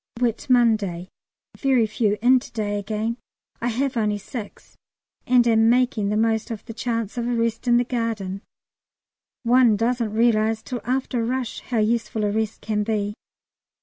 Whit Monday. Very few in to day again. I have only six, and am making the most of the chance of a rest in the garden; one doesn't realise till after a rush how useful a rest can be.